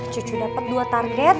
cucu dapat dua target